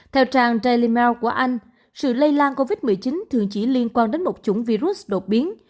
theo trang jily mail của anh sự lây lan covid một mươi chín thường chỉ liên quan đến một chủng virus đột biến